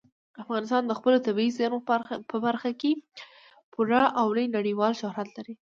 افغانستان د خپلو طبیعي زیرمو په برخه کې پوره او لوی نړیوال شهرت لري.